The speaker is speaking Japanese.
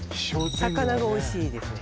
魚がおいしいですね